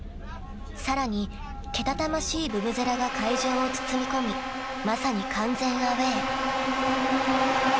［さらにけたたましいブブゼラが会場を包みこみまさに完全アウェー］